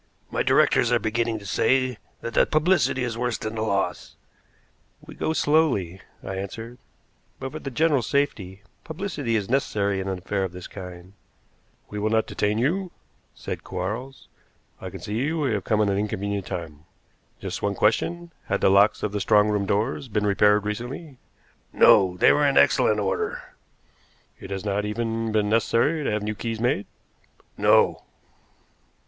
"My directors are beginning to say that the publicity is worse than the loss." "We go slowly," I answered; "but for the general safety publicity is necessary in an affair of this kind." "We will not detain you," said Quarles. "I can see we have come at an inconvenient time. Just one question. Had the locks of the strong room doors been repaired recently?" "No. They were in excellent order." "It has not even been necessary to have new keys made?" "No."